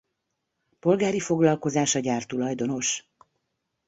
Polgári foglalkozása gyártulajdonos.